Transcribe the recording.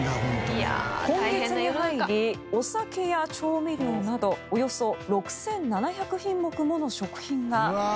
今月に入りお酒や調味料などおよそ６７００品目もの食品が値上げされました。